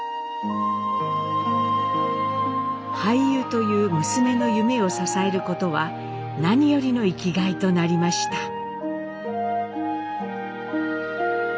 俳優という娘の夢を支えることは何よりの生きがいとなりました。